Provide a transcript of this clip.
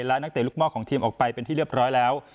และนักเตะลูกห้อของทีมออกไปเป็นที่เรียบร้อยแล้ว